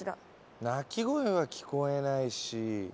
鳴き声は聞こえないし。